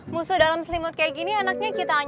musuh dalam selimut kayak gini anaknya kita paham kan